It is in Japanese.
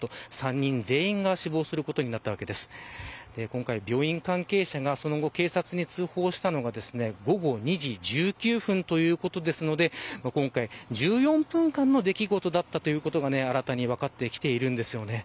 今回、病院関係者がその後、警察に通報したのは午後２時１９分ということですので今回１４分間の出来事だったということが新たに分かってきているんですよね。